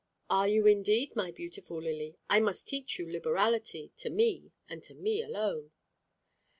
"Are you indeed, my beautiful Lily? I must teach you liberality, to me, and to me alone."